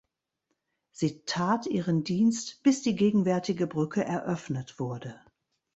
Sie tat ihren Dienst bis die gegenwärtige Brücke eröffnet wurde.